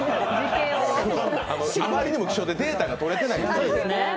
あまりにも希少でデータが取れてないんですね。